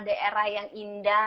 daerah yang indah